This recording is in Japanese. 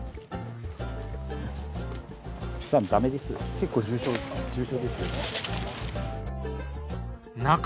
結構重傷ですか？